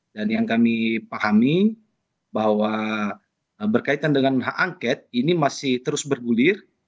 dan yang kami pahami bahwa berkaitan dengan hak angket ini masih terus bergulir